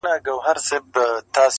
انسانيت بايد وساتل سي تل,